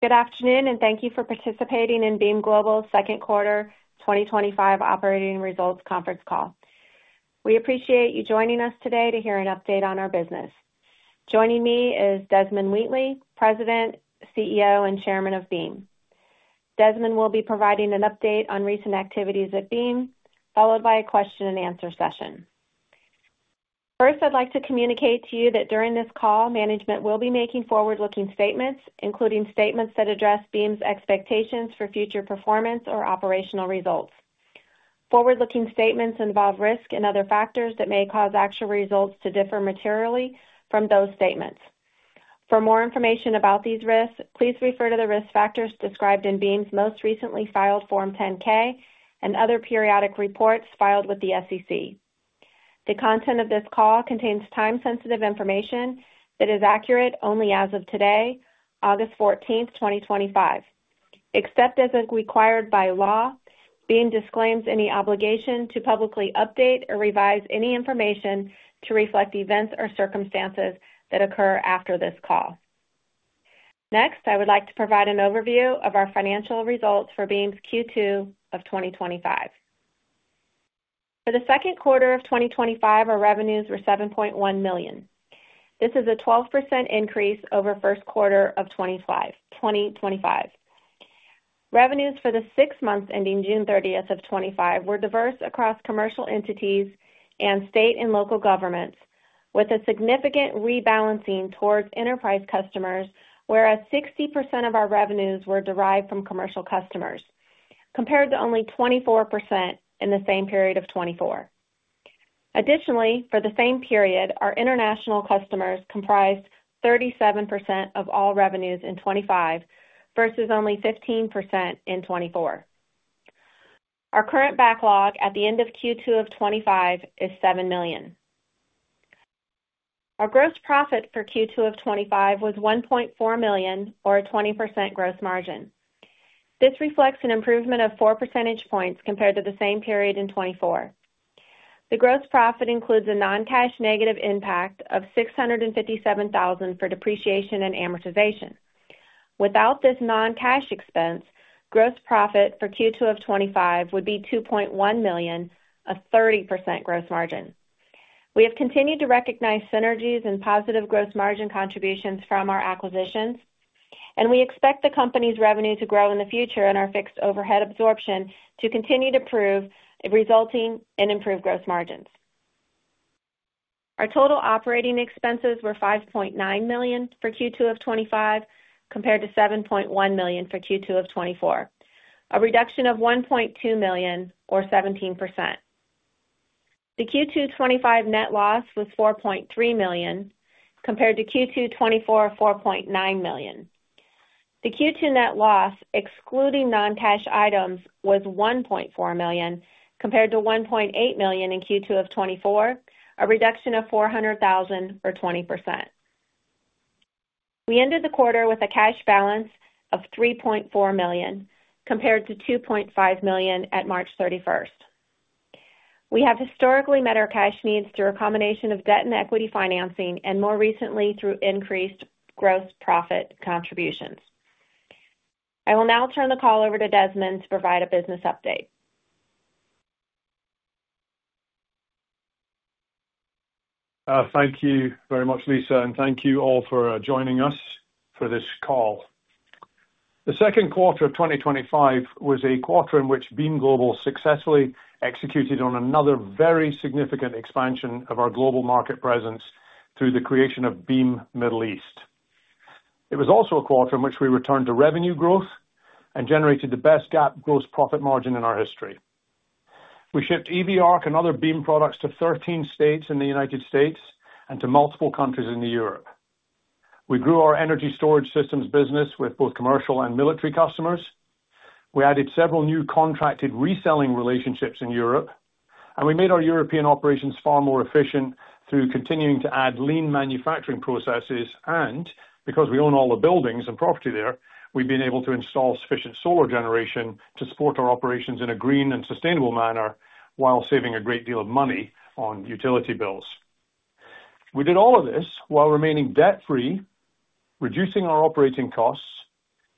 Good afternoon and thank you for participating in Beam Global's Second Quarter 2025 Operating Results Conference Call. We appreciate you joining us today to hear an update on our business. Joining me is Desmond Wheatley, President, CEO, and Chairman of Beam. Desmond will be providing an update on recent activities at Beam, followed by a question and answer session. First, I'd like to communicate to you that during this call, management will be making forward-looking statements, including statements that address Beam's expectations for future performance or operational results. Forward-looking statements involve risk and other factors that may cause actual results to differ materially from those statements. For more information about these risks, please refer to the risk factors described in Beam's most recently filed Form 10-K and other periodic reports filed with the SEC. The content of this call contains time-sensitive information that is accurate only as of today, August 14th 2025. Except as required by law, Beam disclaims any obligation to publicly update or revise any information to reflect events or circumstances that occur after this call. Next, I would like to provide an overview of our financial results for Beam's Q2 of 2025. For the second quarter of 2025, our revenues were $7.1 million. This is a 12% increase over the first quarter of 2025. Revenues for the six months ending June 30th 2025 were diverse across commercial entities and state and local governments, with a significant rebalancing towards enterprise customers, whereas 60% of our revenues were derived from commercial customers, compared to only 24% in the same period of 2024. Additionally, for the same period, our international customers comprised 37% of all revenues in 2025 versus only 15% in 2024. Our current backlog at the end of Q2 of 2025 is $7 million. Our gross profit for Q2 of 2025 was $1.4 million, or a 20% gross margin. This reflects an improvement of 4 percentage points compared to the same period in 2024. The gross profit includes a non-cash negative impact of $657,000 for depreciation and amortization. Without this non-cash expense, gross profit for Q2 of 2025 would be $2.1 million, a 30% gross margin. We have continued to recognize synergies and positive gross margin contributions from our acquisitions, and we expect the company's revenue to grow in the future and our fixed overhead absorption to continue to improve, resulting in improved gross margins. Our total operating expenses were $5.9 million for Q2 of 2025, compared to $7.1 million for Q2 of 2024, a reduction of $1.2 million, or 17%. The Q2 of 2025 net loss was $4.3 million, compared to Q2 of 2024 of $4.9 million. The Q2 net loss, excluding non-cash items, was $1.4 million, compared to $1.8 million in Q2 of 2024, a reduction of $400,000, or 20%. We ended the quarter with a cash balance of $3.4 million, compared to $2.5 million at March 31st. We have historically met our cash needs through a combination of debt and equity financing and more recently through increased gross profit contributions. I will now turn the call over to Desmond to provide a business update. Thank you very much, Lisa, and thank you all for joining us for this call. The second quarter of 2025 was a quarter in which Beam Global successfully executed on another very significant expansion of our global market presence through the creation of Beam Middle East. It was also a quarter in which we returned to revenue growth and generated the best GAAP gross profit margin in our history. We shipped EV ARC and other Beam products to 13 states in the U.S. and to multiple countries in Europe. We grew our energy storage systems business with both commercial and military customers. We added several new contracted reselling relationships in Europe, and we made our European operations far more efficient through continuing to add lean manufacturing processes. Because we own all the buildings and property there, we've been able to install sufficient solar generation to support our operations in a green and sustainable manner while saving a great deal of money on utility bills. We did all of this while remaining debt-free, reducing our operating costs,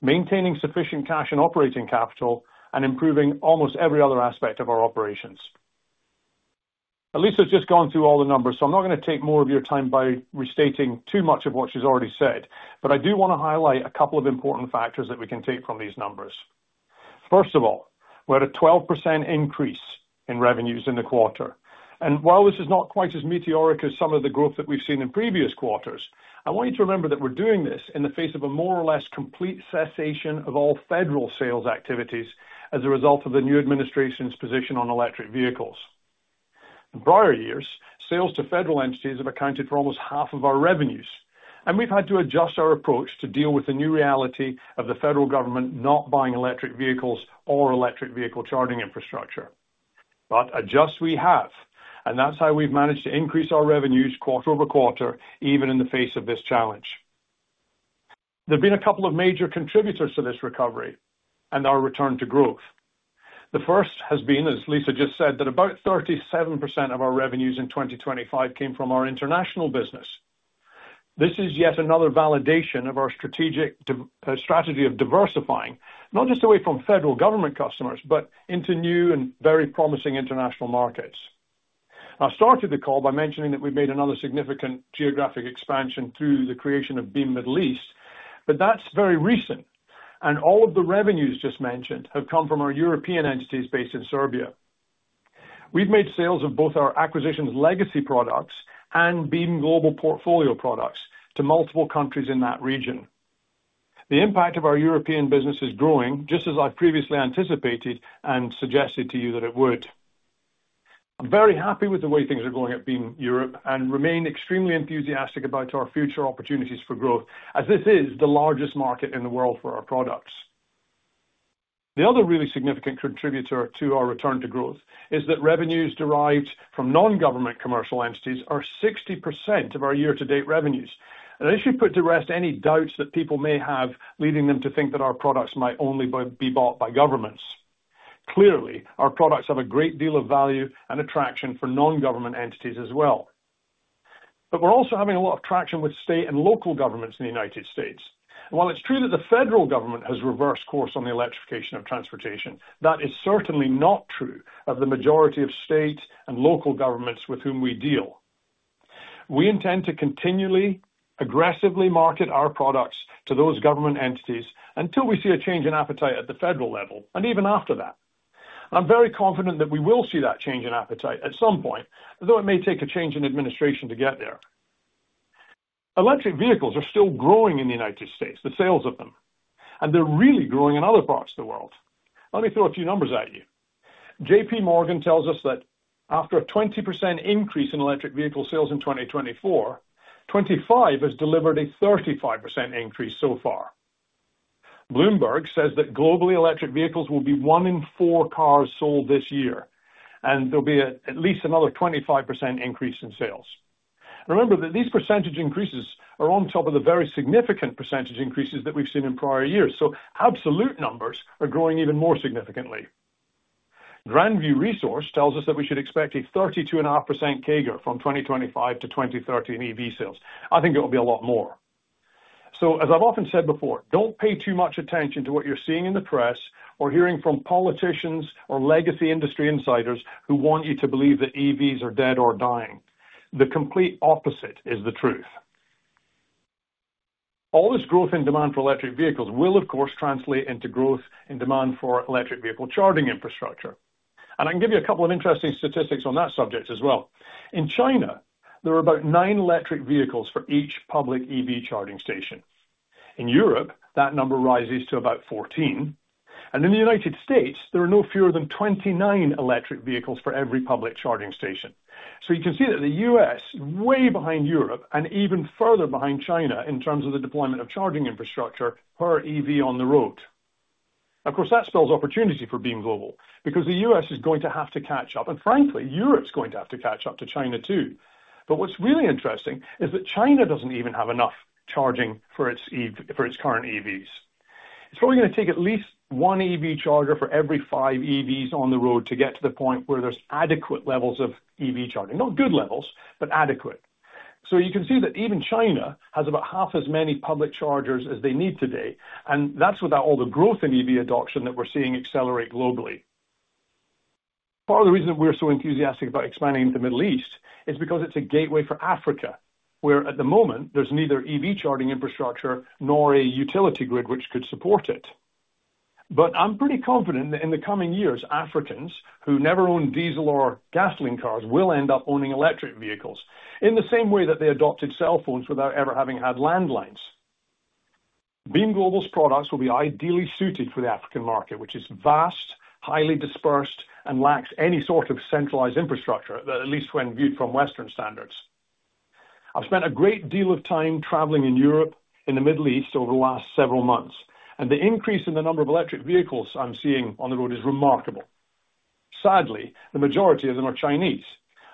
maintaining sufficient cash and operating capital, and improving almost every other aspect of our operations. Lisa's just gone through all the numbers, so I'm not going to take more of your time by restating too much of what she's already said, but I do want to highlight a couple of important factors that we can take from these numbers. First of all, we had a 12% increase in revenues in the quarter. While this is not quite as meteoric as some of the growth that we've seen in previous quarters, I want you to remember that we're doing this in the face of a more or less complete cessation of all federal sales activities as a result of the new administration's position on electric vehicles. In prior years, sales to federal entities have accounted for almost half of our revenues, and we've had to adjust our approach to deal with the new reality of the federal government not buying electric vehicles or electric vehicle charging infrastructure. Adjust we have, and that's how we've managed to increase our revenues quarter over quarter, even in the face of this challenge. There have been a couple of major contributors to this recovery and our return to growth. The first has been, as Lisa just said, that about 37% of our revenues in 2025 came from our international business. This is yet another validation of our strategic strategy of diversifying, not just away from federal government customers, but into new and very promising international markets. I started the call by mentioning that we've made another significant geographic expansion through the creation of Beam Middle East, but that's very recent, and all of the revenues just mentioned have come from our European entities based in Serbia. We've made sales of both our acquisitions, legacy products, and Beam Global portfolio products to multiple countries in that region. The impact of our European business is growing, just as I've previously anticipated and suggested to you that it would. I'm very happy with the way things are going at Beam Europe and remain extremely enthusiastic about our future opportunities for growth, as this is the largest market in the world for our products. The other really significant contributor to our return to growth is that revenues derived from non-government commercial entities are 60% of our year-to-date revenues, and it should put to rest any doubts that people may have leading them to think that our products might only be bought by governments. Clearly, our products have a great deal of value and attraction for non-government entities as well. We're also having a lot of traction with state and local governments in the United States. While it's true that the federal government has reversed course on the electrification of transportation, that is certainly not true of the majority of state and local governments with whom we deal. We intend to continually aggressively market our products to those government entities until we see a change in appetite at the federal level, and even after that. I'm very confident that we will see that change in appetite at some point, though it may take a change in administration to get there. Electric vehicles are still growing in the United States, the sales of them, and they're really growing in other parts of the world. Let me throw a few numbers at you. JPMorgan tells us that after a 20% increase in electric vehicle sales in 2024, 2025 has delivered a 35% increase so far. Bloomberg says that globally, electric vehicles will be one in four cars sold this year, and there'll be at least another 25% increase in sales. Remember that these percentage increases are on top of the very significant percentage increases that we've seen in prior years, so absolute numbers are growing even more significantly. Grand View Resource tells us that we should expect a 32.5% CAGR from 2025-2030 in EV sales. I think it will be a lot more. As I've often said before, don't pay too much attention to what you're seeing in the press or hearing from politicians or legacy industry insiders who want you to believe that EVs are dead or dying. The complete opposite is the truth. All this growth in demand for electric vehicles will, of course, translate into growth in demand for electric vehicle charging infrastructure. I can give you a couple of interesting statistics on that subject as well. In China, there are about nine electric vehicles for each public EV charging station. In Europe, that number rises to about 14. In the United States, there are no fewer than 29 electric vehicles for every public charging station. You can see that the U.S. is way behind Europe and even further behind China in terms of the deployment of charging infrastructure per EV on the road. Of course, that spells opportunity for Beam Global because the U.S. is going to have to catch up, and frankly, Europe's going to have to catch up to China too. What's really interesting is that China doesn't even have enough charging for its current EVs. It's probably going to take at least one EV charger for every five EVs on the road to get to the point where there's adequate levels of EV charging, not good levels, but adequate. You can see that even China has about half as many public chargers as they need today, and that's without all the growth in EV adoption that we're seeing accelerate globally. Part of the reason that we're so enthusiastic about expanding into the Middle East is because it's a gateway for Africa, where at the moment there's neither EV charging infrastructure nor a utility grid which could support it. I'm pretty confident that in the coming years, Africans who never owned diesel or gasoline cars will end up owning electric vehicles in the same way that they adopted cell phones without ever having had landlines. Beam Global's products will be ideally suited for the African market, which is vast, highly dispersed, and lacks any sort of centralized infrastructure, at least when viewed from Western standards. I've spent a great deal of time traveling in Europe and the Middle East over the last several months, and the increase in the number of electric vehicles I'm seeing on the road is remarkable. Sadly, the majority of them are Chinese.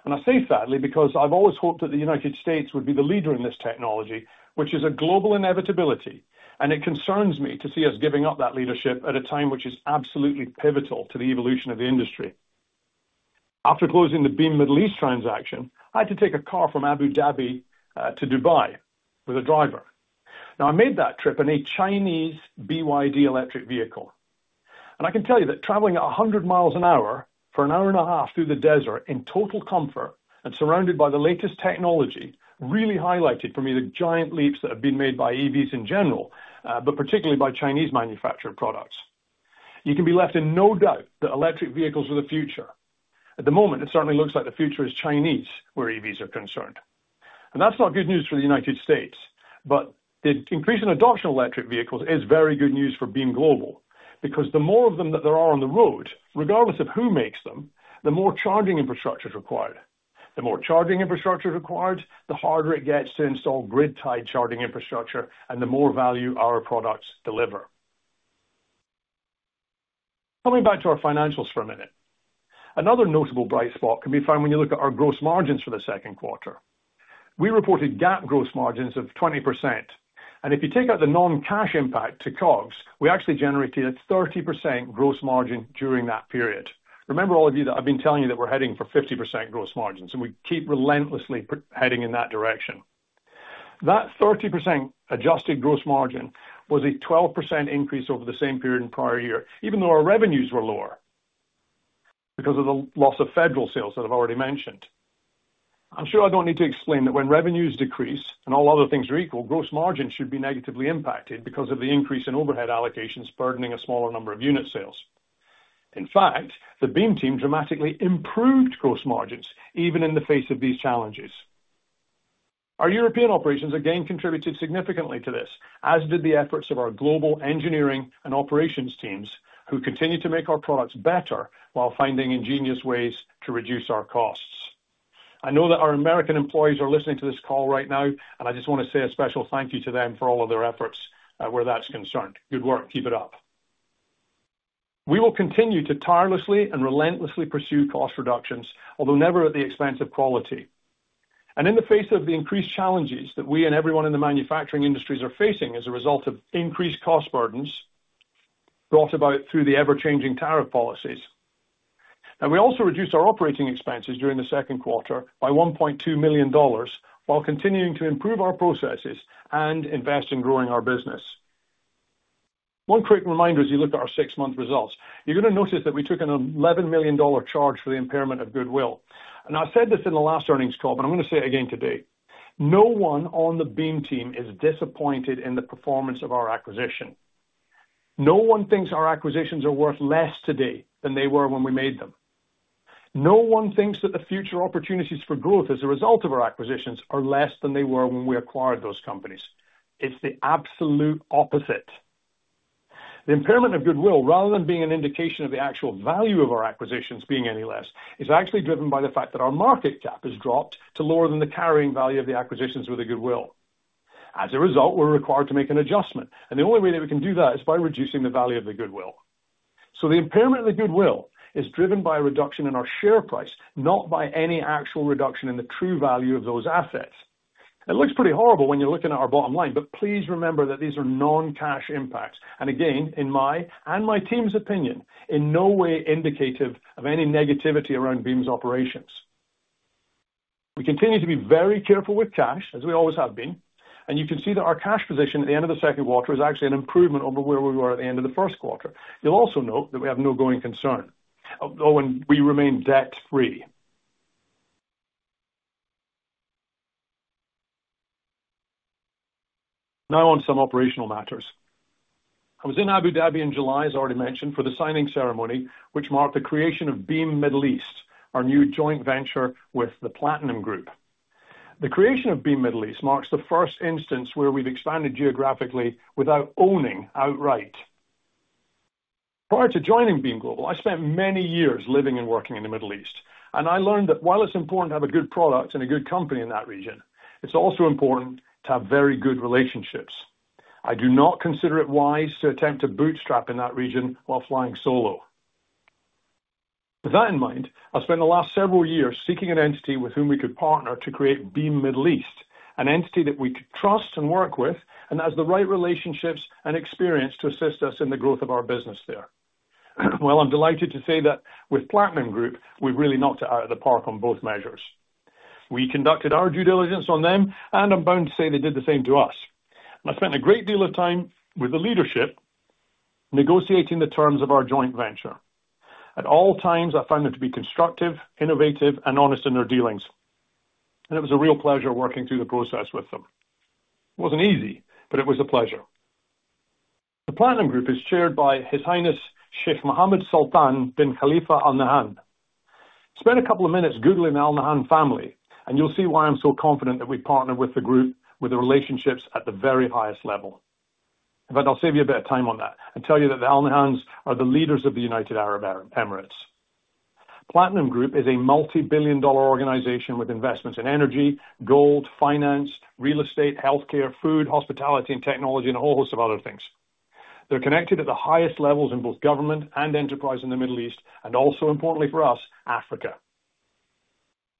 I say sadly because I've always hoped that the United States would be the leader in this technology, which is a global inevitability. It concerns me to see us giving up that leadership at a time which is absolutely pivotal to the evolution of the industry. After closing the Beam Middle East transaction, I had to take a car from Abu Dhabi to Dubai with a driver. I made that trip in a Chinese BYD electric vehicle. I can tell you that traveling at 100 mi an hour for an hour and a half through the desert in total comfort and surrounded by the latest technology really highlighted for me the giant leaps that have been made by EVs in general, but particularly by Chinese manufactured products. You can be left in no doubt that electric vehicles are the future. At the moment, it certainly looks like the future is Chinese where EVs are concerned. That is not good news for the United States, but the increase in adoption of electric vehicles is very good news for Beam Global. The more of them that there are on the road, regardless of who makes them, the more charging infrastructure is required. The more charging infrastructure is required, the harder it gets to install grid-tied charging infrastructure, and the more value our products deliver. Coming back to our financials for a minute, another notable bright spot can be found when you look at our gross margins for the second quarter. We reported GAAP gross margins of 20%. If you take out the non-cash impact to cost, we actually generated a 30% gross margin during that period. Remember all of you that I've been telling you that we're heading for 50% gross margins, and we keep relentlessly heading in that direction. That 30% adjusted gross margin was a 12% increase over the same period in prior year, even though our revenues were lower because of the loss of federal sales that I've already mentioned. I'm sure I don't need to explain that when revenues decrease and all other things are equal, gross margins should be negatively impacted because of the increase in overhead allocations burdening a smaller number of unit sales. In fact, the Beam team dramatically improved gross margins even in the face of these challenges. Our European operations again contributed significantly to this, as did the efforts of our global engineering and operations teams who continue to make our products better while finding ingenious ways to reduce our costs. I know that our American employees are listening to this call right now, and I just want to say a special thank you to them for all of their efforts where that's concerned. Good work. Keep it up. We will continue to tirelessly and relentlessly pursue cost reductions, although never at the expense of quality. In the face of the increased challenges that we and everyone in the manufacturing industries are facing as a result of increased cost burdens brought about through the ever-changing tariff policies, we also reduced our operating expenses during the second quarter by $1.2 million while continuing to improve our processes and invest in growing our business. One quick reminder as you look at our six-month results, you're going to notice that we took an $11 million charge for the impairment of goodwill. I've said this in the last earnings call, but I'm going to say it again today. No one on the Beam team is disappointed in the performance of our acquisition. No one thinks our acquisitions are worth less today than they were when we made them. No one thinks that the future opportunities for growth as a result of our acquisitions are less than they were when we acquired those companies. It's the absolute opposite. The impairment of goodwill, rather than being an indication of the actual value of our acquisitions being any less, is actually driven by the fact that our market cap has dropped to lower than the carrying value of the acquisitions with the goodwill. As a result, we're required to make an adjustment. The only way that we can do that is by reducing the value of the goodwill. The impairment of the goodwill is driven by a reduction in our share price, not by any actual reduction in the true value of those assets. It looks pretty horrible when you're looking at our bottom line, but please remember that these are non-cash impacts. Again, in my and my team's opinion, in no way indicative of any negativity around Beam's operations. We continue to be very careful with cash, as we always have been. You can see that our cash position at the end of the second quarter is actually an improvement over where we were at the end of the first quarter. You'll also note that we have no going concern, though, and we remain debt-free. Now on to some operational matters. I was in Abu Dhabi in July, as already mentioned, for the signing ceremony, which marked the creation of Beam Middle East, our new joint venture with the Platinum Group. The creation of Beam Middle East marks the first instance where we've expanded geographically without owning outright. Prior to joining Beam Global, I spent many years living and working in the Middle East. I learned that while it's important to have a good product and a good company in that region, it's also important to have very good relationships. I do not consider it wise to attempt to bootstrap in that region while flying solo. With that in mind, I spent the last several years seeking an entity with whom we could partner to create Beam Middle East, an entity that we could trust and work with, and that has the right relationships and experience to assist us in the growth of our business there. I'm delighted to say that with Platinum Group, we've really knocked it out of the park on both measures. We conducted our due diligence on them, and I'm bound to say they did the same to us. I spent a great deal of time with the leadership negotiating the terms of our joint venture. At all times, I found them to be constructive, innovative, and honest in their dealings. It was a real pleasure working through the process with them. It wasn't easy, but it was a pleasure. The Platinum Group is chaired by His Highness Sheikh Mohammed Sultan bin Khalifa Al-Nahyan. Spend a couple of minutes googling the Al-Nahyan family, and you'll see why I'm so confident that we partner with the group with the relationships at the very highest level. In fact, I'll save you a bit of time on that and tell you that the Al-Nahyans are the leaders of the United Arab Emirates. Platinum Group is a multi-billion dollar organization with investments in energy, gold, finance, real estate, health care, food, hospitality, and technology, and a whole host of other things. They're connected at the highest levels in both government and enterprise in the Middle East, and also importantly for us, Africa.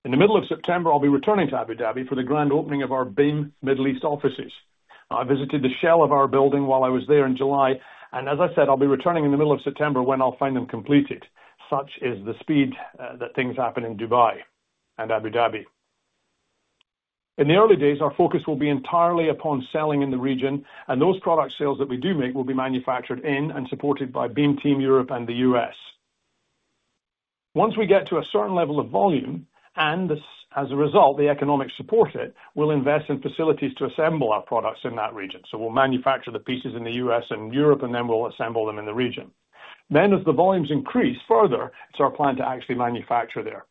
In the middle of September, I'll be returning to Abu Dhabi for the grand opening of our Beam Middle East offices. I visited the shell of our building while I was there in July, and as I said, I'll be returning in the middle of September when I'll find them completed. Such is the speed that things happen in Dubai and Abu Dhabi. In the early days, our focus will be entirely upon selling in the region, and those product sales that we do make will be manufactured in and supported by Beam Team Europe and the U.S. Once we get to a certain level of volume, and as a result, the economics support it, we'll invest in facilities to assemble our products in that region. We'll manufacture the pieces in the U.S. and Europe, and then we'll assemble them in the region. As the volumes increase further, it's our plan to actually manufacture there.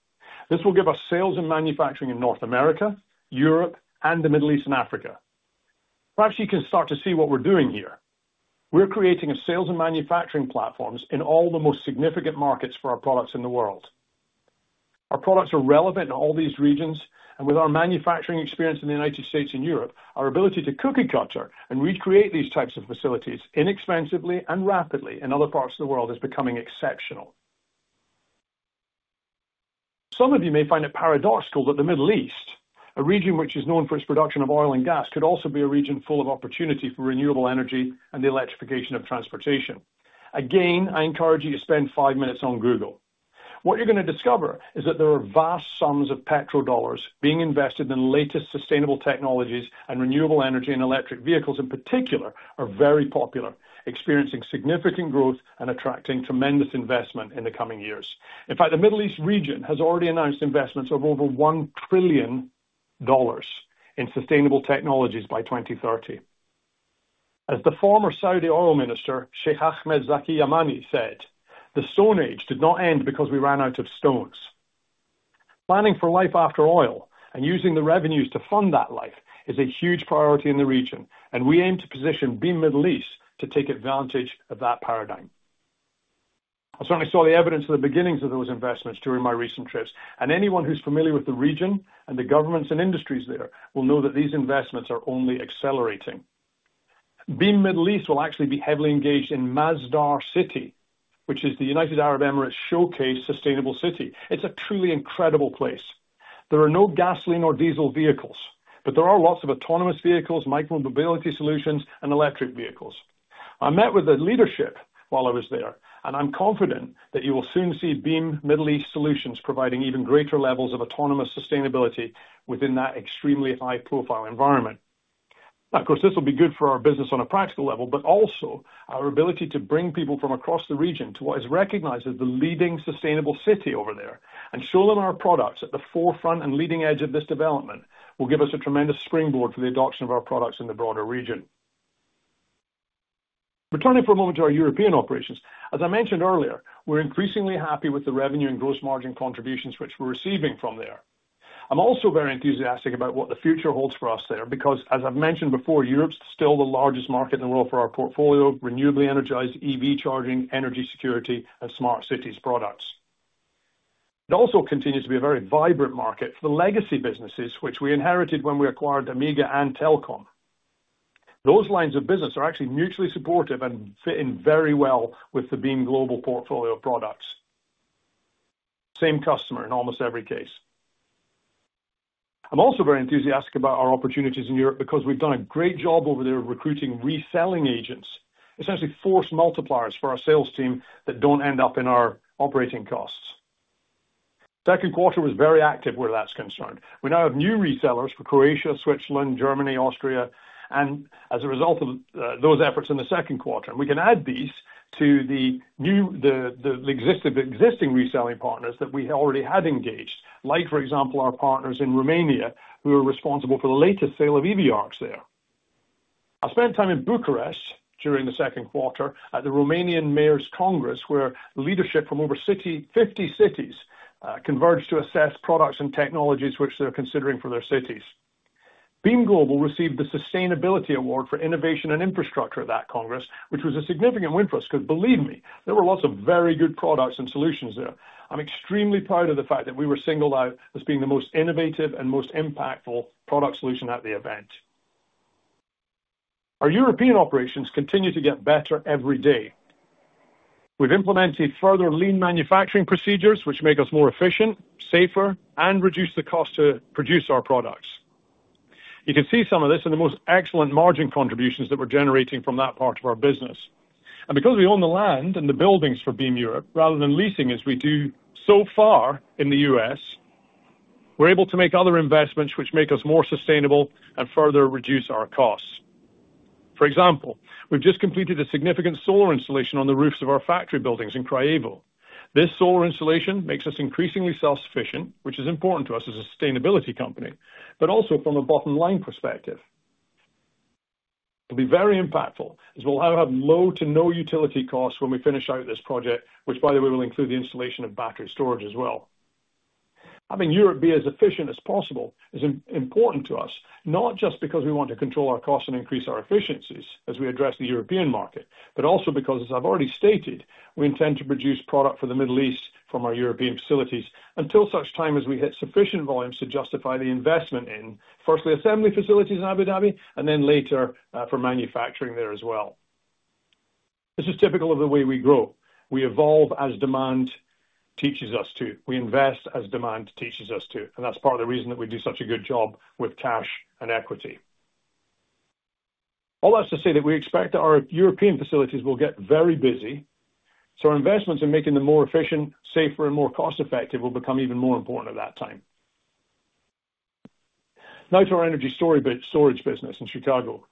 This will give us sales and manufacturing in North America, Europe, and the Middle East and Africa. Perhaps you can start to see what we're doing here. We're creating a sales and manufacturing platform in all the most significant markets for our products in the world. Our products are relevant in all these regions, and with our manufacturing experience in the United States and Europe, our ability to cookie-cutter and recreate these types of facilities inexpensively and rapidly in other parts of the world is becoming exceptional. Some of you may find it paradoxical that the Middle East, a region which is known for its production of oil and gas, could also be a region full of opportunity for renewable energy and the electrification of transportation. I encourage you to spend five minutes on Google. What you're going to discover is that there are vast sums of petrol dollars being invested in the latest sustainable technologies, and renewable energy and electric vehicles in particular are very popular, experiencing significant growth and attracting tremendous investment in the coming years. In fact, the Middle East region has already announced investments of over $1 trillion in sustainable technologies by 2030. As the former Saudi oil minister, Sheikh Ahmed Zaki Yamani, said, the Stone Age did not end because we ran out of stones. Planning for life after oil and using the revenues to fund that life is a huge priority in the region, and we aim to position Beam Middle East to take advantage of that paradigm. I certainly saw the evidence of the beginnings of those investments during my recent trips, and anyone who's familiar with the region and the governments and industries there will know that these investments are only accelerating. Beam Middle East will actually be heavily engaged in Masdar City, which is the United Arab Emirates' showcase sustainable city. It's a truly incredible place. There are no gasoline or diesel vehicles, but there are lots of autonomous vehicles, micro-mobility solutions, and electric vehicles. I met with the leadership while I was there, and I'm confident that you will soon see Beam Middle East Solutions providing even greater levels of autonomous sustainability within that extremely high-profile environment. Of course, this will be good for our business on a practical level, but also our ability to bring people from across the region to what is recognized as the leading sustainable city over there and show them our products at the forefront and leading edge of this development will give us a tremendous springboard for the adoption of our products in the broader region. Returning for a moment to our European operations, as I mentioned earlier, we're increasingly happy with the revenue and gross margin contributions which we're receiving from there. I'm also very enthusiastic about what the future holds for us there because, as I've mentioned before, Europe is still the largest market in the world for our portfolio, renewably energized EV charging, energy security, and smart city infrastructure products. It also continues to be a very vibrant market for the legacy businesses which we inherited when we acquired Amiga and Telcom. Those lines of business are actually mutually supportive and fit in very well with the Beam Global portfolio of products. Same customer in almost every case. I'm also very enthusiastic about our opportunities in Europe because we've done a great job over there recruiting reselling agents, essentially force multipliers for our sales team that don't end up in our operating costs. The second quarter was very active where that's concerned. We now have new resellers for Croatia, Switzerland, Germany, Austria, as a result of those efforts in the second quarter. We can add these to the existing reselling partners that we already had engaged, like, for example, our partners in Romania, who are responsible for the latest sale of EV ARC units there. I spent time in Bucharest during the second quarter at the Romanian Mayor's Congress, where leadership from over 50 cities converged to assess products and technologies which they're considering for their cities. Beam Global received the Sustainability Award for Innovation and Infrastructure at that Congress, which was a significant win for us, because believe me, there were lots of very good products and solutions there. I'm extremely proud of the fact that we were singled out as being the most innovative and most impactful product solution at the event. Our European operations continue to get better every day. We've implemented further lean manufacturing procedures, which make us more efficient, safer, and reduce the cost to produce our products. You can see some of this in the most excellent margin contributions that we're generating from that part of our business. Because we own the land and the buildings for Beam Europe, rather than leasing as we do so far in the U.S., we're able to make other investments which make us more sustainable and further reduce our costs. For example, we've just completed a significant solar installation on the roofs of our factory buildings in Craiova. This solar installation makes us increasingly self-sufficient, which is important to us as a sustainability company, but also from a bottom-line perspective. It'll be very impactful as we'll have low to no utility costs when we finish out this project, which, by the way, will include the installation of battery storage as well. Having Europe be as efficient as possible is important to us, not just because we want to control our costs and increase our efficiencies as we address the European market, but also because, as I've already stated, we intend to produce product for the Middle East from our European facilities until such time as we hit sufficient volumes to justify the investment in, firstly, assembly facilities in Abu Dhabi, and then later for manufacturing there as well. This is typical of the way we grow. We evolve as demand teaches us to. We invest as demand teaches us to, and that's part of the reason that we do such a good job with cash and equity. All that's to say that we expect that our European facilities will get very busy, so our investments in making them more efficient, safer, and more cost-effective will become even more important at that time. Now to our energy storage business in Chicago.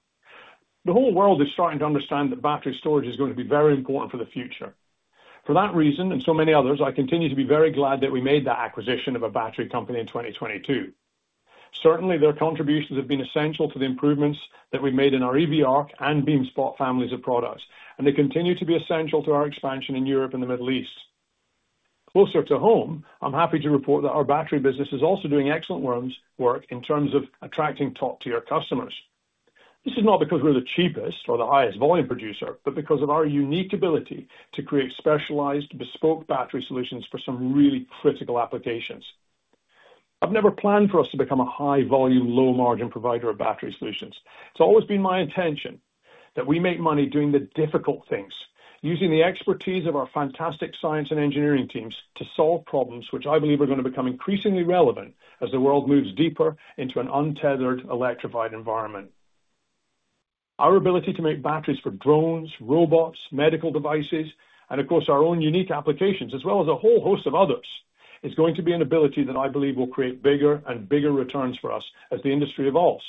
The whole world is starting to understand that battery storage is going to be very important for the future. For that reason, and so many others, I continue to be very glad that we made that acquisition of a battery company in 2022. Certainly, their contributions have been essential to the improvements that we've made in our EV ARC and BeamSpot families of products, and they continue to be essential to our expansion in Europe and the Middle East. Closer to home, I'm happy to report that our battery business is also doing excellent work in terms of attracting top-tier customers. This is not because we're the cheapest or the highest volume producer, but because of our unique ability to create specialized, bespoke battery solutions for some really critical applications. I've never planned for us to become a high-volume, low-margin provider of battery solutions. It's always been my intention that we make money doing the difficult things, using the expertise of our fantastic science and engineering teams to solve problems which I believe are going to become increasingly relevant as the world moves deeper into an untethered, electrified environment. Our ability to make batteries for drones, robots, medical devices, and of course, our own unique applications, as well as a whole host of others, is going to be an ability that I believe will create bigger and bigger returns for us as the industry evolves.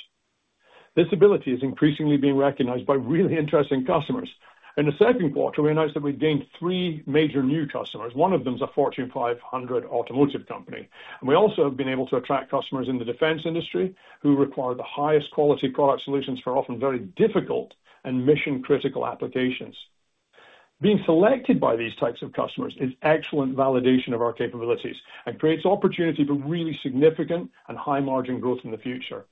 This ability is increasingly being recognized by really interesting customers. In the second quarter, we announced that we'd gained three major new customers. One of them is a Fortune 500 automotive company, and we also have been able to attract customers in the defense industry who require the highest quality product solutions for often very difficult and mission-critical applications. Being selected by these types of customers is excellent validation of our capabilities and creates opportunity for really significant and high-margin growth in the future.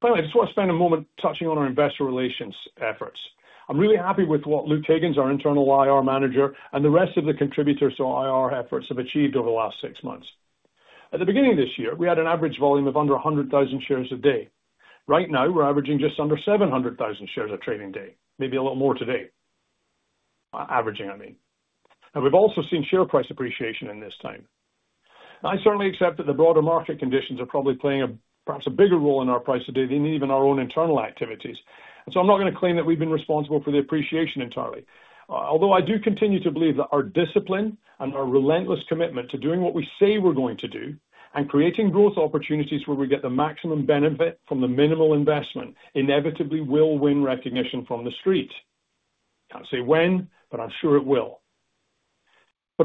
Finally, I just want to spend a moment touching on our investor relations efforts. I'm really happy with what Luke Higgins, our internal IR Manager, and the rest of the contributors to our IR efforts have achieved over the last six months. At the beginning of this year, we had an average volume of under 100,000 shares a day. Right now, we're averaging just under 700,000 shares a trading day, maybe a little more today. Averaging, I mean. We've also seen share price appreciation in this time. I certainly accept that the broader market conditions are probably playing a perhaps a bigger role in our price today than even our own internal activities. I'm not going to claim that we've been responsible for the appreciation entirely. Although I do continue to believe that our discipline and our relentless commitment to doing what we say we're going to do and creating growth opportunities where we get the maximum benefit from the minimal investment inevitably will win recognition from the streets. I don't say when, but I'm sure it will.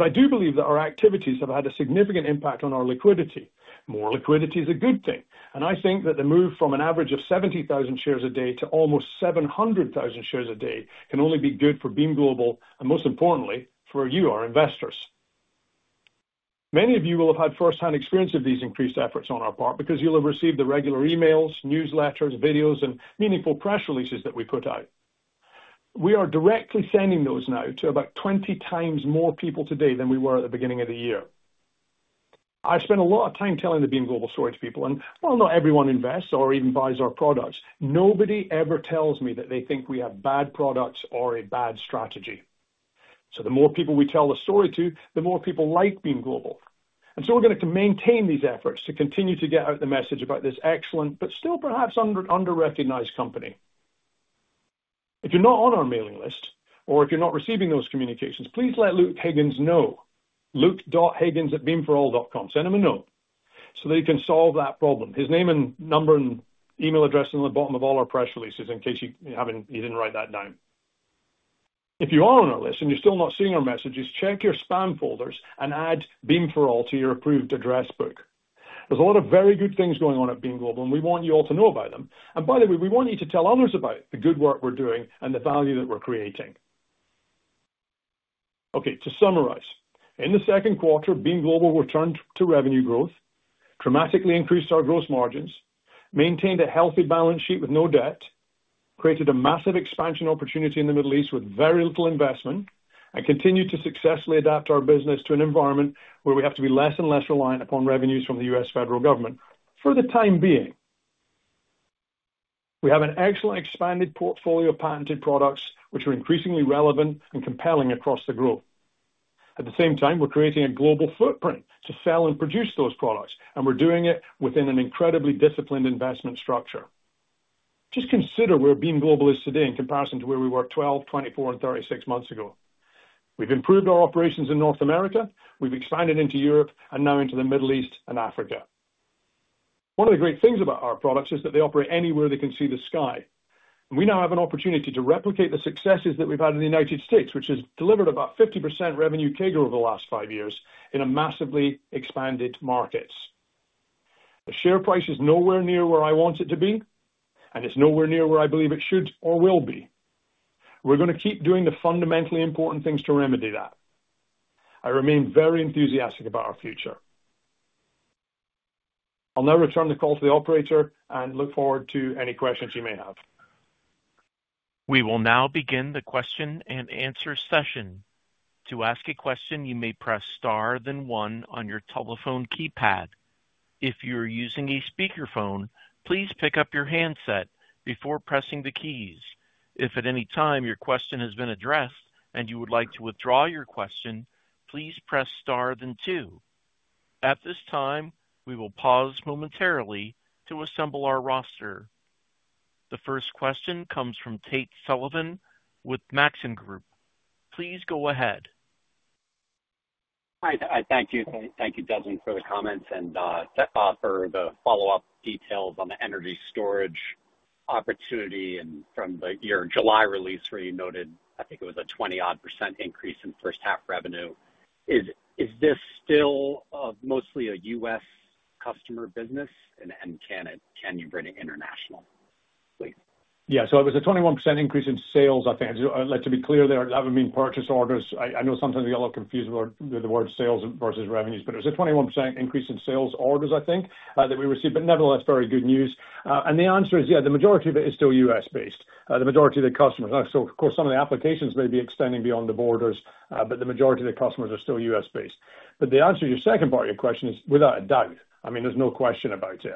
I do believe that our activities have had a significant impact on our liquidity. More liquidity is a good thing. I think that the move from an average of 70,000 shares a day to almost 700,000 shares a day can only be good for Beam Global and, most importantly, for you, our investors. Many of you will have had firsthand experience of these increased efforts on our part because you'll have received the regular emails, newsletters, videos, and meaningful press releases that we put out. We are directly sending those now to about 20 times more people today than we were at the beginning of the year. I spend a lot of time telling the Beam Global story to people, and while not everyone invests or even buys our products, nobody ever tells me that they think we have bad products or a bad strategy. The more people we tell the story to, the more people like Beam Global. We're going to maintain these efforts to continue to get out the message about this excellent, but still perhaps under-recognized company. If you're not on our mailing list or if you're not receiving those communications, please let Luke Higgins know. Luke.Higgins@BeamForAll.com. Send him a note so that he can solve that problem. His name and number and email address are in the bottom of all our press releases in case you didn't write that down. If you are on our list and you're still not seeing our messages, check your spam folders and add Beam for All to your approved address book. There are a lot of very good things going on at Beam Global, and we want you all to know about them. We want you to tell others about the good work we're doing and the value that we're creating. To summarize, in the second quarter, Beam Global returned to revenue growth, dramatically increased our gross margins, maintained a healthy balance sheet with no debt, created a massive expansion opportunity in the Middle East with very little investment, and continued to successfully adapt our business to an environment where we have to be less and less reliant upon revenues from the U.S. federal government for the time being. We have an excellent expanded portfolio of patented products which are increasingly relevant and compelling across the globe. At the same time, we're creating a global footprint to sell and produce those products, and we're doing it within an incredibly disciplined investment structure. Just consider where Beam Global is today in comparison to where we were 12, 24, and 36 months ago. We've improved our operations in North America. We've expanded into Europe and now into the Middle East and Africa. One of the great things about our products is that they operate anywhere they can see the sky. We now have an opportunity to replicate the successes that we've had in the United States, which has delivered about 50% revenue CAGR over the last five years in massively expanded markets. The share price is nowhere near where I want it to be, and it's nowhere near where I believe it should or will be. We're going to keep doing the fundamentally important things to remedy that. I remain very enthusiastic about our future. I'll now return the call to the operator and look forward to any questions you may have. We will now begin the question and answer session. To ask a question, you may press star then one on your telephone keypad. If you are using a speakerphone, please pick up your handset before pressing the keys. If at any time your question has been addressed and you would like to withdraw your question, please press star then two. At this time, we will pause momentarily to assemble our roster. The first question comes from Tate Sullivan with Maxim Group. Please go ahead. Hi. Thank you. Thank you, Desmond, for the comments, and Bob, for the follow-up details on the energy storage opportunity and from your July release where you noted, I think it was a 20% increase in first-half revenue. Is this still mostly a U.S. customer business, and can you bring it international? Yeah, so it was a 21% increase in sales, I think. Let's be clear there. It hasn't been purchase orders. I know sometimes we get a little confused with the word sales versus revenues, but it was a 21% increase in sales orders, I think, that we received. Nevertheless, very good news. The answer is, yeah, the majority of it is still U.S.-based. The majority of the customers, and of course, some of the applications may be extending beyond the borders, but the majority of the customers are still U.S.-based. The answer to your second part of your question is, without a doubt. I mean, there's no question about it.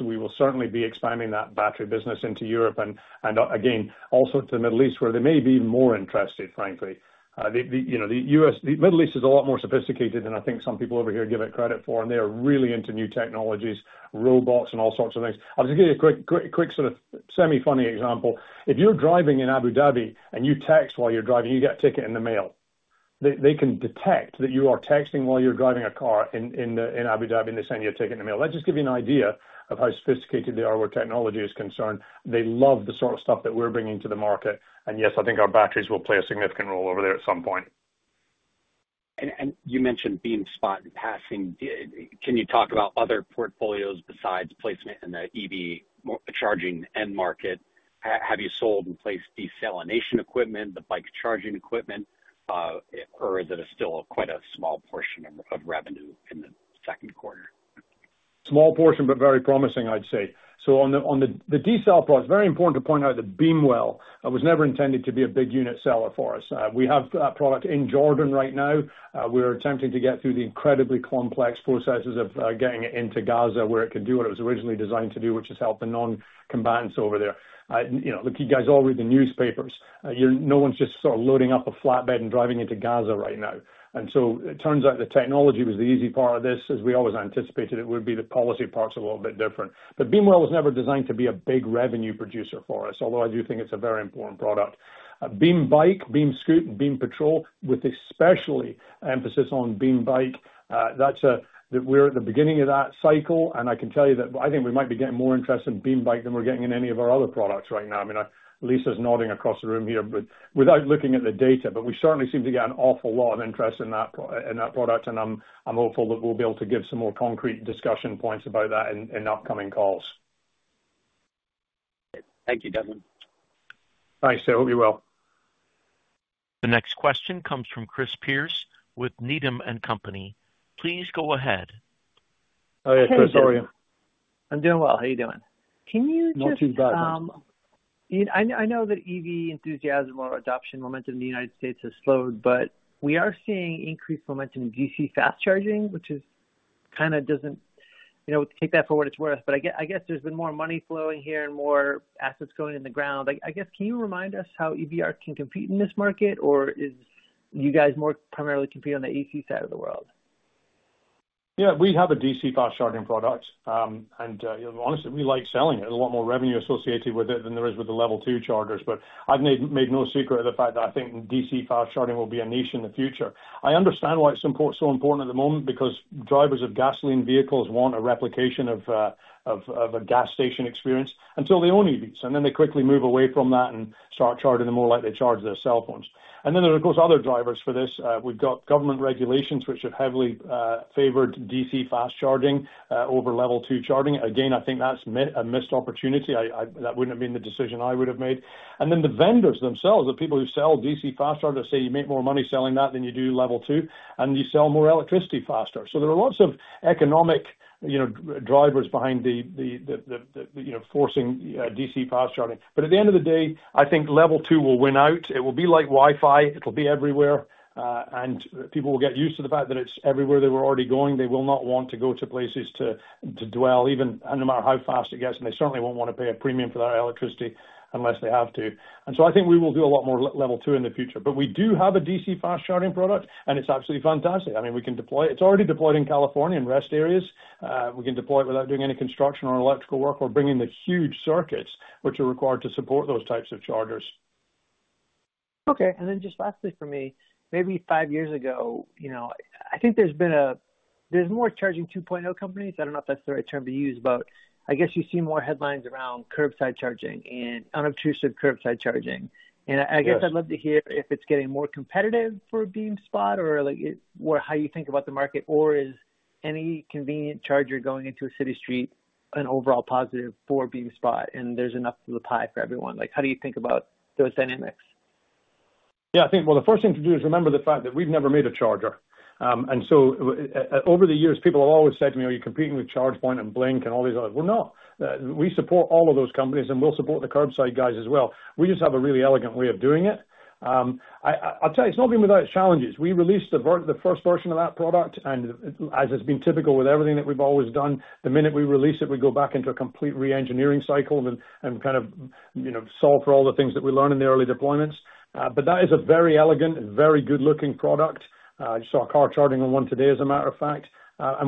We will certainly be expanding that battery business into Europe and, again, all sorts of the Middle East where they may be even more interested, frankly. The Middle East is a lot more sophisticated than I think some people over here give it credit for, and they are really into new technologies, robots, and all sorts of things. I'll just give you a quick sort of semi-funny example. If you're driving in Abu Dhabi and you text while you're driving, you get a ticket in the mail. They can detect that you are texting while you're driving a car in Abu Dhabi, and they send you a ticket in the mail. That just gives you an idea of how sophisticated they are where technology is concerned. They love the sort of stuff that we're bringing to the market. Yes, I think our batteries will play a significant role over there at some point. You mentioned BeamSpot in passing. Can you talk about other portfolios besides placement in the EV charging end market? Have you sold and placed desalination equipment, the bike charging equipment, or is it still quite a small portion of revenue in the second quarter? Small portion, but very promising, I'd say. On the desal products, it's very important to point out that BeamWell was never intended to be a big unit seller for us. We have that product in Jordan right now. We're attempting to get through the incredibly complex processes of getting it into Gaza, where it could do what it was originally designed to do, which is help the non-combatants over there. You guys all read the newspapers. No one's just sort of loading up a flatbed and driving into Gaza right now. It turns out the technology was the easy part of this. As we always anticipated, it would be the policy parts a little bit different. Beam Global was never designed to be a big revenue producer for us, although I do think it's a very important product. BeamBike, BeamPatrol, and BeamSpot, with especially emphasis on BeamBike, that's that we're at the beginning of that cycle. I can tell you that I think we might be getting more interest in BeamBike than we're getting in any of our other products right now. Lisa's nodding across the room here without looking at the data, but we certainly seem to get an awful lot of interest in that product. I'm hopeful that we'll be able to give some more concrete discussion points about that in upcoming calls. Thank you, Desmond. Thanks. Hope you're well. The next question comes from Chris Pierce with Needham & Company. Please go ahead. Oh yes, Chris. How are you? I'm doing well. How are you doing? Not too bad. I know that EV enthusiasm or adoption momentum in the U.S. has slowed, but we are seeing increased momentum in DC fast charging, which kind of doesn't, you know, take that for what it's worth. I guess there's been more money flowing here and more assets going in the ground. I guess, can you remind us how EV ARC can compete in this market, or do you guys more primarily compete on the AC side of the world? Yeah, we have a DC fast charging product. Honestly, we like selling it. There's a lot more revenue associated with it than there is with the level two chargers. I've made no secret of the fact that I think DC fast charging will be a niche in the future. I understand why it's so important at the moment because drivers of gasoline vehicles want a replication of a gas station experience until they own EVs. They quickly move away from that and start charging them more like they charge their cell phones. There are, of course, other drivers for this. We've got government regulations which have heavily favored DC fast charging over level two charging. I think that's a missed opportunity. That wouldn't have been the decision I would have made. The vendors themselves, the people who sell DC fast chargers, say you make more money selling that than you do level two, and you sell more electricity faster. There are lots of economic drivers behind the forcing DC fast charging. At the end of the day, I think level two will win out. It will be like Wi-Fi. It'll be everywhere. People will get used to the fact that it's everywhere they were already going. They will not want to go to places to dwell, no matter how fast it gets. They certainly won't want to pay a premium for their electricity unless they have to. I think we will do a lot more level two in the future. We do have a DC fast charging product, and it's absolutely fantastic. We can deploy it. It's already deployed in California in rest areas. We can deploy it without doing any construction or electrical work or bringing the huge circuits which are required to support those types of chargers. OK, and then just lastly for me, maybe five years ago, you know, I think there's been a there's more charging 2.0 companies. I don't know if that's the right term to use, but I guess you see more headlines around curbside charging and unobtrusive curbside charging. I guess I'd love to hear if it's getting more competitive for a BeamSpot or like how you think about the market, or is any convenient charger going into a city street an overall positive for BeamSpot and there's enough of the pie for everyone? How do you think about those dynamics? I think the first thing to do is remember the fact that we've never made a charger. Over the years, people have always said to me, are you competing with ChargePoint and Blink and all these others? No. We support all of those companies, and we'll support the curbside guys as well. We just have a really elegant way of doing it. It's not been without challenges. We released the first version of that product, and as has been typical with everything that we've always done, the minute we release it, we go back into a complete re-engineering cycle and solve for all the things that we learn in the early deployments. That is a very elegant and very good-looking product. I just saw a car charging on one today, as a matter of fact.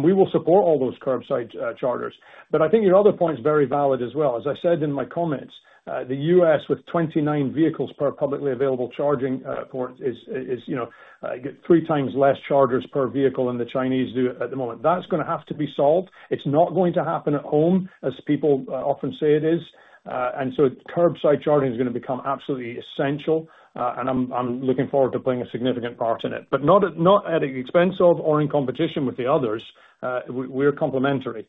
We will support all those curbside chargers. I think your other point is very valid as well. As I said in my comments, the U.S. with 29 vehicles per publicly available charging port is three times less chargers per vehicle than the Chinese do at the moment. That's going to have to be solved. It's not going to happen at home, as people often say it is. Curbside charging is going to become absolutely essential. I'm looking forward to playing a significant part in it, not at the expense of or in competition with the others. We're complementary.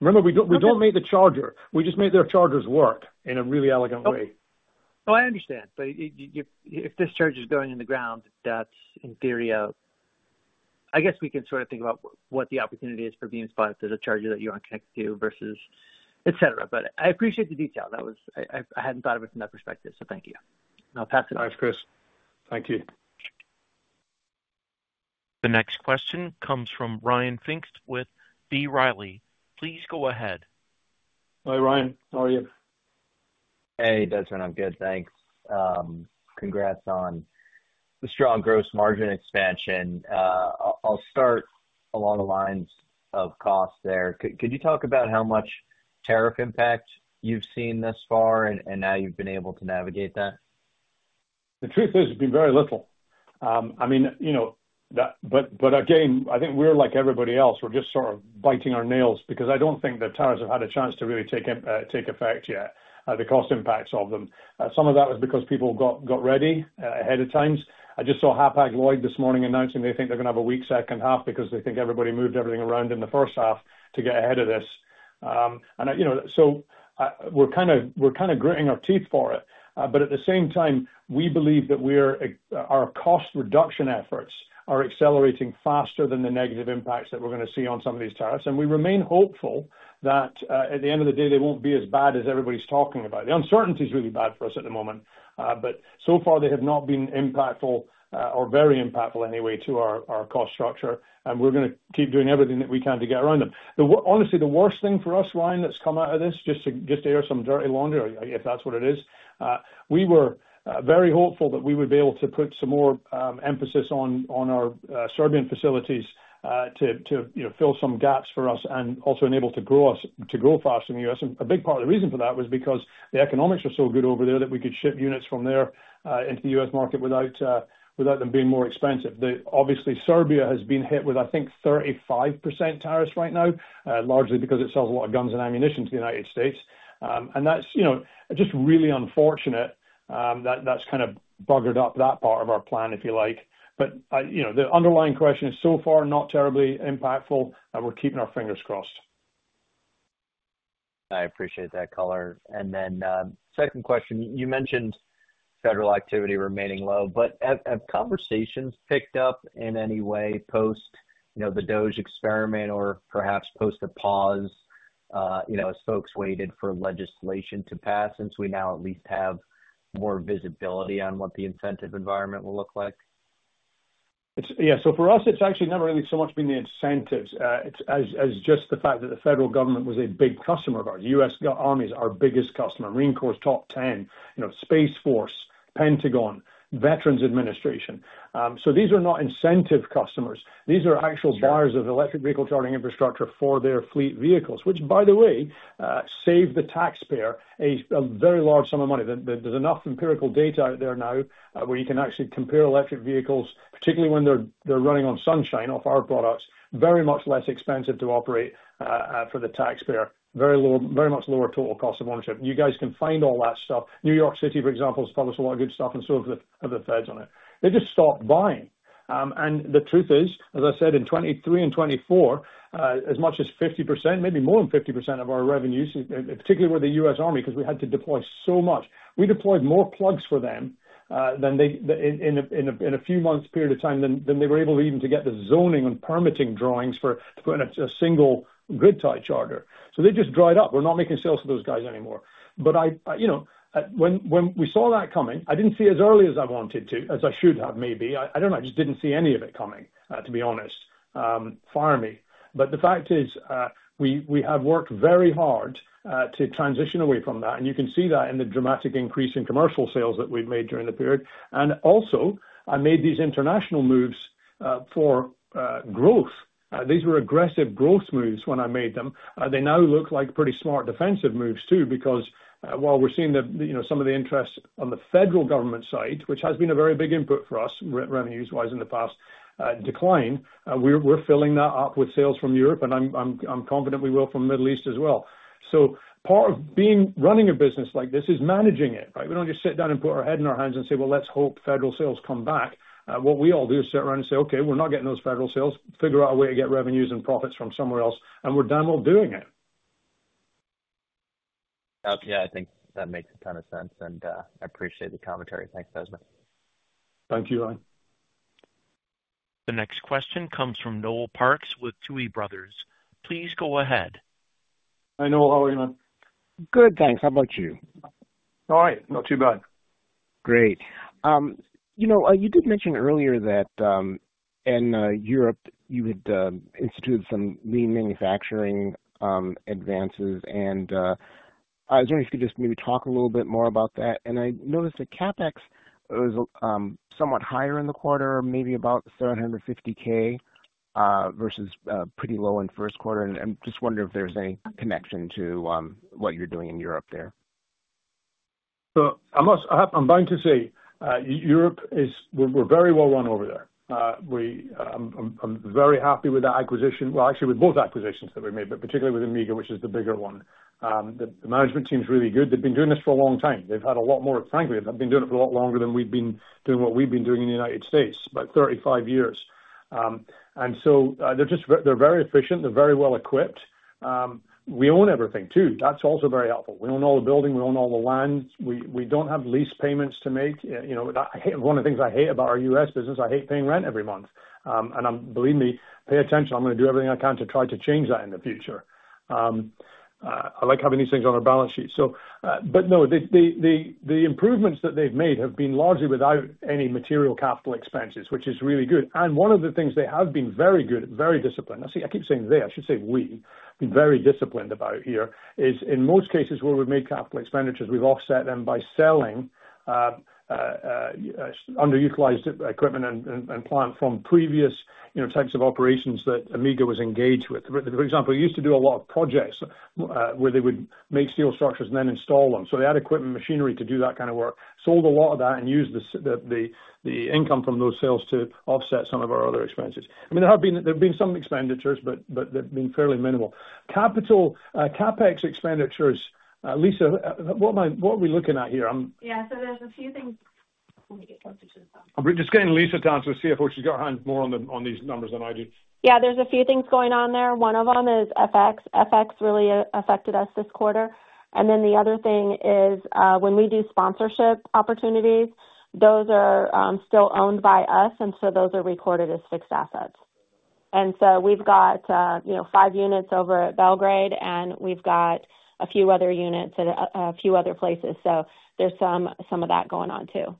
Remember, we don't make the charger. We just make their chargers work in a really elegant way. Oh, I understand. If this charger is going in the ground, that's in theory out. I guess we can sort of think about what the opportunity is for BeamSpot to the charger that you want to connect to versus, etc. I appreciate the detail. I hadn't thought of it from that perspective. Thank you. I'll pass it on. Thanks, Chris. Thank you. The next question comes from Ryan Pfingst with B. Riley. Please go ahead. Hi, Ryan. How are you? Hey, Desmond. I'm good, thanks. Congrats on the strong gross margin expansion. I'll start along the lines of cost there. Could you talk about how much tariff impact you've seen thus far and how you've been able to navigate that? The truth is, it's been very little. I mean, you know, I think we're like everybody else. We're just sort of biting our nails because I don't think the tariffs have had a chance to really take effect yet, the cost impacts of them. Some of that was because people got ready ahead of time. I just saw Hapag-Lloyd this morning announcing they think they're going to have a weak second half because they think everybody moved everything around in the first half to get ahead of this. We're kind of gritting our teeth for it. At the same time, we believe that our cost reduction efforts are accelerating faster than the negative impacts that we're going to see on some of these tariffs. We remain hopeful that at the end of the day, they won't be as bad as everybody's talking about. The uncertainty is really bad for us at the moment. So far, they have not been impactful or very impactful anyway to our cost structure. We're going to keep doing everything that we can to get around them. Honestly, the worst thing for us, Ryan, that's come out of this, just to air some dirty laundry, if that's what it is, we were very hopeful that we would be able to put some more emphasis on our Serbian facilities to fill some gaps for us and also enable us to grow faster in the U.S. A big part of the reason for that was because the economics are so good over there that we could ship units from there into the U.S. market without them being more expensive. Obviously, Serbia has been hit with, I think, 35% tariffs right now, largely because it sells a lot of guns and ammunition to the United States. That's just really unfortunate that that's kind of buggered up that part of our plan, if you like. The underlying question is so far not terribly impactful, and we're keeping our fingers crossed. I appreciate that color. Second question, you mentioned federal activity remaining low. Have conversations picked up in any way post the Doge experiment or perhaps post the pause, as folks waited for legislation to pass since we now at least have more visibility on what the incentive environment will look like? Yeah, so for us, it's actually never really so much been the incentives. It's just the fact that the federal government was a big customer of ours. U.S. Army is our biggest customer, Marine Corps top 10, you know, Space Force, Pentagon, Veterans Administration. These are not incentive customers. These are actual buyers of electric vehicle charging infrastructure for their fleet vehicles, which, by the way, saved the taxpayer a very large sum of money. There's enough empirical data out there now where you can actually compare electric vehicles, particularly when they're running on sunshine off our products, very much less expensive to operate for the taxpayer, very much lower total cost of ownership. You guys can find all that stuff. New York City, for example, has published a lot of good stuff and so have the feds on it. They just stopped buying. The truth is, as I said, in 2023 and 2024, as much as 50%, maybe more than 50% of our revenues, particularly with the U.S. Army, because we had to deploy so much, we deployed more plugs for them in a few months' period of time than they were able even to get the zoning and permitting drawings for putting a single grid-tied charger. They just dried up. We're not making sales to those guys anymore. When we saw that coming, I didn't see it as early as I wanted to, as I should have, maybe. I don't know. I just didn't see any of it coming, to be honest. Fire me. The fact is, we have worked very hard to transition away from that. You can see that in the dramatic increase in commercial sales that we've made during the period. I made these international moves for growth. These were aggressive growth moves when I made them. They now look like pretty smart defensive moves too, because while we're seeing some of the interest on the federal government side, which has been a very big input for us, revenues-wise in the past decline, we're filling that up with sales from Europe. I'm confident we will from the Middle East as well. Part of running a business like this is managing it. We don't just sit down and put our head in our hands and say, let's hope federal sales come back. What we all do is sit around and say, OK, we're not getting those federal sales. Figure out a way to get revenues and profits from somewhere else. We're damn well doing it. I think that makes a ton of sense. I appreciate the commentary. Thanks, Desmond. Thank you, Ryan. The next question comes from Noel Parks with Touhy Brothers. Please go ahead. Hi, Noel. How are you, man? Good, thanks. How about you? All right, not too bad. Great. You did mention earlier that in Europe, you had instituted some lean manufacturing advances. I was wondering if you could just maybe talk a little bit more about that. I noticed that CapEx was somewhat higher in the quarter, maybe about $750,000 versus pretty low in the first quarter. I'm just wondering if there's any connection to what you're doing in Europe there? I'm going to say Europe is we're very well run over there. I'm very happy with that acquisition, actually, with both acquisitions that we made, but particularly with Amiga, which is the bigger one. The management team is really good. They've been doing this for a long time. They've had a lot more, frankly, they've been doing it for a lot longer than we've been doing what we've been doing in the United States, about 35 years. They're very efficient. They're very well equipped. We own everything too. That's also very helpful. We own all the building. We own all the land. We don't have lease payments to make. One of the things I hate about our U.S. business, I hate paying rent every month. Believe me, pay attention. I'm going to do everything I can to try to change that in the future. I like having these things on a balance sheet. The improvements that they've made have been largely without any material capital expenses, which is really good. One of the things they have been very good at, very disciplined. I keep saying they. I should say we. I've been very disciplined about here is in most cases where we've made capital expenditures, we've offset them by selling underutilized equipment and plant from previous types of operations that Amiga was engaged with. For example, they used to do a lot of projects where they would make steel structures and then install them. They had equipment, machinery to do that kind of work, sold a lot of that, and used the income from those sales to offset some of our other expenses. There have been some expenditures, but they've been fairly minimal. CapEx expenditures, Lisa, what are we looking at here? Yeah, there's a few things. I'm just getting Lisa to answer, the CFO. She's got her hands more on these numbers than I do. Yeah, there's a few things going on there. One of them is FX. FX really affected us this quarter. The other thing is when we do sponsorship opportunities, those are still owned by us, and so those are recorded as fixed assets. We've got five units over at Belgrade, and we've got a few other units at a few other places. There's some of that going on too.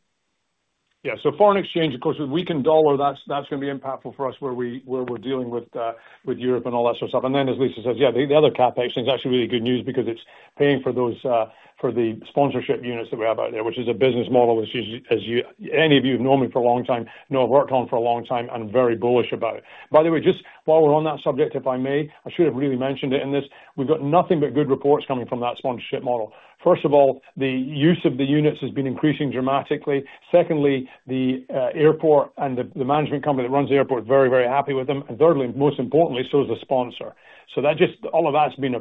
Yeah, so foreign exchange, of course, weakened dollar. That's going to be impactful for us where we're dealing with Europe and all that sort of stuff. As Lisa says, yeah, the other CapEx thing is actually really good news because it's paying for the sponsorship units that we have out there, which is a business model which, as any of you have known me for a long time, know I've worked on for a long time and am very bullish about it. By the way, just while we're on that subject, if I may, I should have really mentioned it in this. We've got nothing but good reports coming from that sponsorship model. First of all, the use of the units has been increasing dramatically. Secondly, the airport and the management company that runs the airport is very, very happy with them. Thirdly, most importantly, so is the sponsor. All of that's been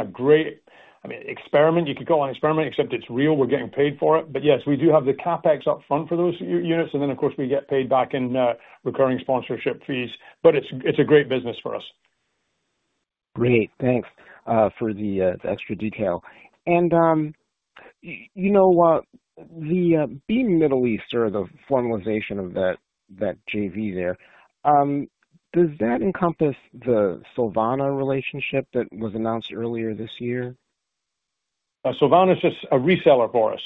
a great, I mean, experiment. You could call it an experiment, except it's real. We're getting paid for it. Yes, we do have the CapEx up front for those units. Of course, we get paid back in recurring sponsorship fees. It's a great business for us. Great. Thanks for the extra detail. You know the Beam Middle East or the formalization of that JV there, does that encompass the Solvana relationship that was announced earlier this year? Solvana is just a reseller for us.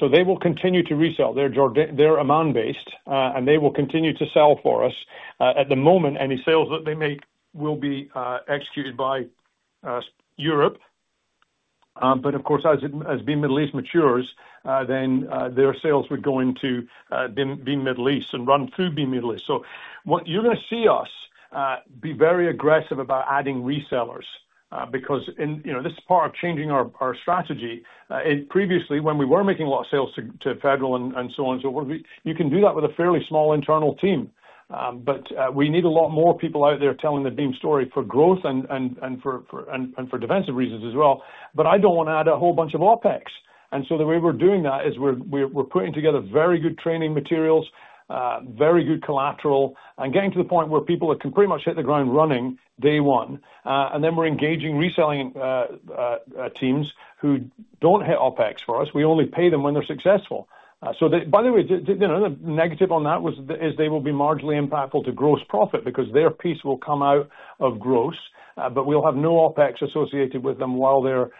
They will continue to resell. They're Amman-based, and they will continue to sell for us. At the moment, any sales that they make will be executed by Europe. Of course, as Beam Middle East matures, then their sales would go into Beam Middle East and run through Beam Middle East. You're going to see us be very aggressive about adding resellers because this is part of changing our strategy. Previously, when we were making a lot of sales to federal and so on, you can do that with a fairly small internal team. We need a lot more people out there telling the Beam story for growth and for defensive reasons as well. I don't want to add a whole bunch of OpEx. The way we're doing that is we're putting together very good training materials, very good collateral, and getting to the point where people can pretty much hit the ground running day one. We're engaging reselling teams who don't hit OpEx for us. We only pay them when they're successful. By the way, the negative on that is they will be marginally impactful to gross profit because their piece will come out of gross, but we'll have no OpEx associated with them while they're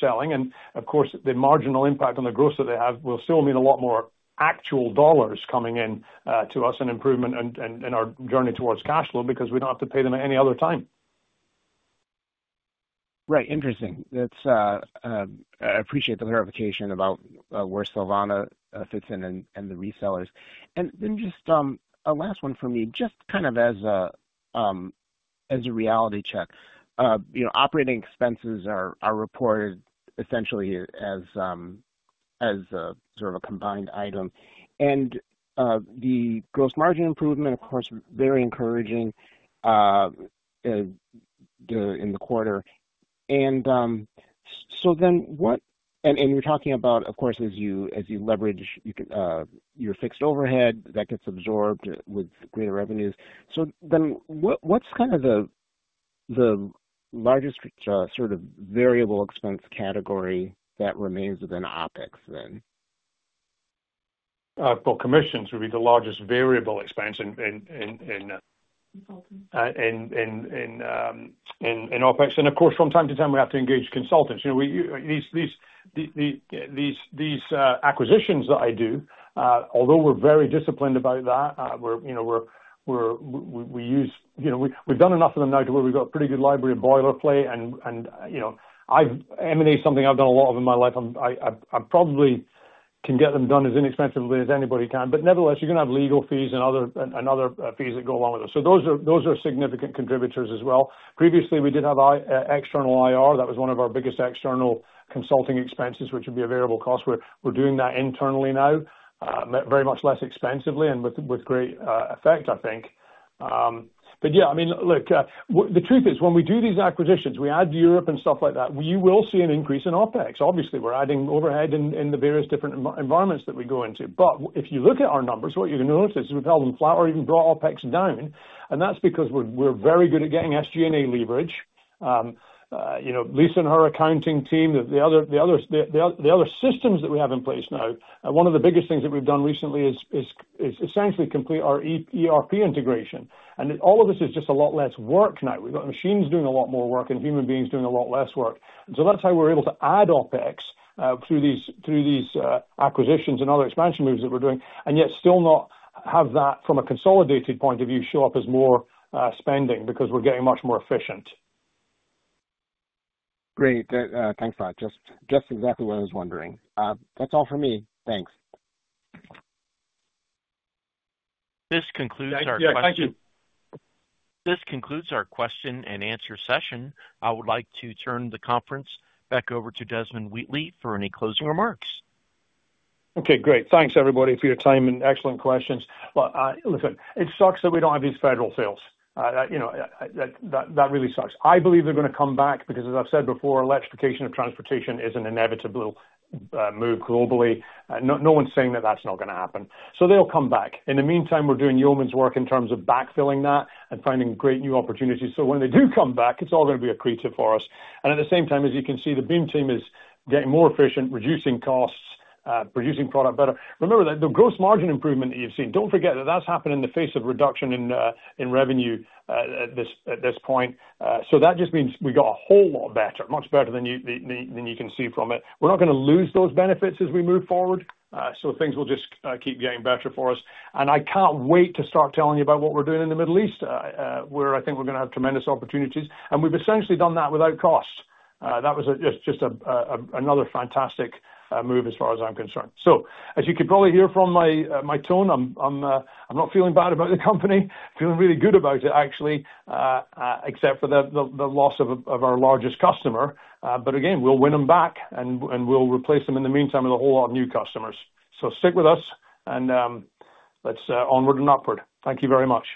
selling. Of course, the marginal impact on the gross that they have will still mean a lot more actual dollars coming in to us and improvement in our journey towards cash flow because we don't have to pay them at any other time. I appreciate the clarification about where Solvana fits in and the resellers. Just a last one for me, just kind of as a reality check. Operating expenses are reported essentially as sort of a combined item. The gross margin improvement, of course, very encouraging in the quarter. You're talking about, of course, as you leverage your fixed overhead, that gets absorbed with greater revenues. What's kind of the largest sort of variable expense category that remains within OpEx then? Commissions would be the largest variable expense in OpEx. Of course, from time to time, we have to engage consultants. These acquisitions that I do, although we're very disciplined about that, we've done enough of them now to where we've got a pretty good library of boilerplate. I've emanated something I've done a lot of in my life. I probably can get them done as inexpensively as anybody can. Nevertheless, you're going to have legal fees and other fees that go along with it. Those are significant contributors as well. Previously, we did have external IR. That was one of our biggest external consulting expenses, which would be a variable cost. We're doing that internally now very much less expensively and with great effect, I think. The truth is when we do these acquisitions, we add Europe and stuff like that, you will see an increase in OpEx. Obviously, we're adding overhead in the various different environments that we go into. If you look at our numbers, what you're going to notice is we've held them flat or even brought OpEx down. That's because we're very good at getting SG&A leverage. Lisa and her accounting team, the other systems that we have in place now, one of the biggest things that we've done recently is essentially complete our ERP integration. All of this is just a lot less work now. We've got machines doing a lot more work and human beings doing a lot less work. That's how we're able to add OpEx through these acquisitions and other expansion moves that we're doing, and yet still not have that, from a consolidated point of view, show up as more spending because we're getting much more efficient. Great. Thanks for that. Just exactly what I was wondering. That's all for me. Thanks. This concludes our question and answer session. I would like to turn the conference back over to Desmond Wheatley for any closing remarks. OK, great. Thanks, everybody, for your time and excellent questions. It sucks that we don't have these federal sales. You know, that really sucks. I believe they're going to come back because, as I've said before, electrification of transportation is an inevitable move globally. No one's saying that that's not going to happen. They'll come back. In the meantime, we're doing yeoman's work in terms of backfilling that and finding great new opportunities. When they do come back, it's all going to be a creature for us. At the same time, as you can see, the Beam team is getting more efficient, reducing costs, producing product better. Remember that the gross margin improvement that you've seen, don't forget that that's happened in the face of reduction in revenue at this point. That just means we got a whole lot better, much better than you can see from it. We're not going to lose those benefits as we move forward. Things will just keep getting better for us. I can't wait to start telling you about what we're doing in the Middle East, where I think we're going to have tremendous opportunities. We've essentially done that without cost. That was just another fantastic move as far as I'm concerned. As you can probably hear from my tone, I'm not feeling bad about the company. I'm feeling really good about it, actually, except for the loss of our largest customer. Again, we'll win them back, and we'll replace them in the meantime with a whole lot of new customers. Stick with us, and let's onward and upward. Thank you very much.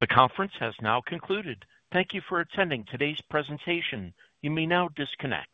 The conference has now concluded. Thank you for attending today's presentation. You may now disconnect.